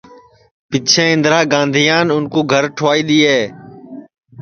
پِچھیں اِندرا گاندھیان اُن کُو گھر ٹُھوائی دؔیئے